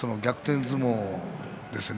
相撲ですよね。